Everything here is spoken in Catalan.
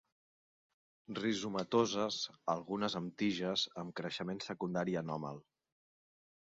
Rizomatoses, algunes amb tiges amb creixement secundari anòmal.